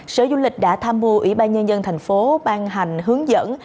sở du lịch đã tham mưu ủy ban nhân dân thành phố ban hành hướng dẫn